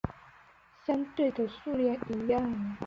相对的数量一样。